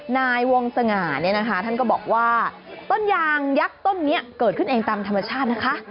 นายวงสง่าเนี่ยนะคะท่านก็บอกว่าต้นยางยักษ์ต้นนี้เกิดขึ้นเองตามธรรมชาตินะคะ